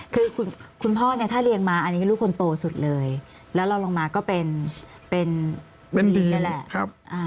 คือคุณพ่อเนี่ยถ้าเรียกมาอันนี้ก็ลูกคนโตสุดเลยแล้วเราลงมาก็เป็นเป็นดีนเป็นดีนเนี่ยแหละ